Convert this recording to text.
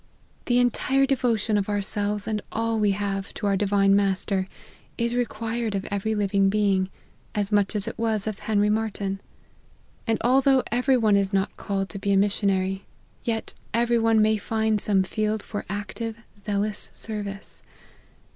The entire devotion of ourselves, and all we have, to our Divine Mas ter, is required of every living being, as much as it was of Henry Marty n : and although every one is not called to be a missionary, yet every one may find some field for active, zealous ser vice.